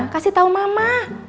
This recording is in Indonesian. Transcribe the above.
kasih tau mama